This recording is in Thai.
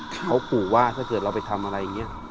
เขาขู่ว่าถ้าเกิดเราไปทำอะไรอย่างนี้